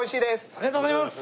ありがとうございます！